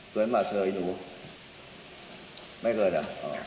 เกินมาเธอไอ้หนูไม่เกินอ่ะ